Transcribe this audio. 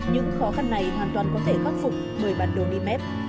những khó khăn này hoàn toàn có thể khắc phục người bản đồn đi mép